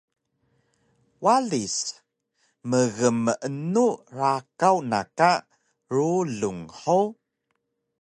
Walis: Mgmeenu rakaw na ka rulung hug?